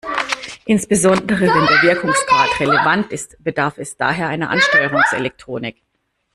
Insbesondere wenn der Wirkungsgrad relevant ist, bedarf es daher einer Ansteuerungselektronik.